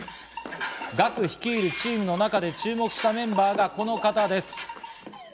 ＧＡＫＵ率いるチームの中で注目したメンバーがこの方です。